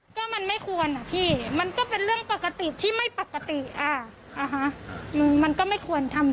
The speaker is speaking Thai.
ก็มันไม่ควรอ่ะพี่มันก็เป็นเรื่องปกติที่ไม่ปกติมันก็ไม่ควรทำ